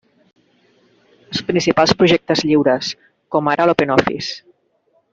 Els principals projectes lliures, com ara l'OpenOffice.